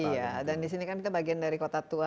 iya dan di sini kan kita bagian dari kota tua